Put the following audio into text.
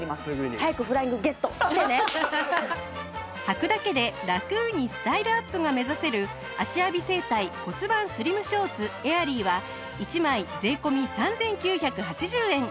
はくだけでラクにスタイルアップが目指せる芦屋美整体骨盤スリムショーツエアリーは１枚税込３９８０円